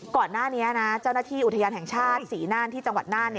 ก่อนหน้านี้นะเจ้าหน้าที่อุทยานแห่งชาติศรีน่านที่จังหวัดน่าน